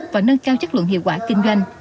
và nâng cao chất lượng hiệu quả kinh doanh